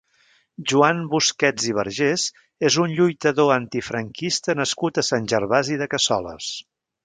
Joan Busquets i Vergés és un lluitador antifranquista nascut a Sant Gervasi de Cassoles.